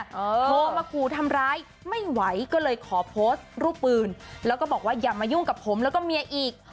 โทรมาขู่ทำร้ายไม่ไหวก็เลยขอโพสต์รูปปืนแล้วก็บอกว่าอย่ามายุ่งกับผมแล้วก็เมียอีก